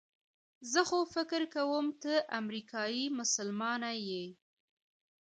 زه خو فکر کوم ته امریکایي مسلمانه یې.